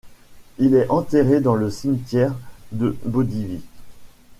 Il est enterré dans le cimetière de Bodivit.